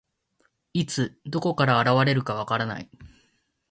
いつ、どこから現れるか分からない。